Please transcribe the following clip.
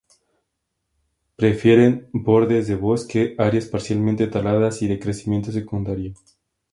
Prefieren bordes de bosque, áreas parcialmente taladas y de crecimiento secundario.